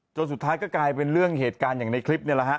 สุดท้ายก็กลายเป็นเรื่องเหตุการณ์อย่างในคลิปนี่แหละฮะ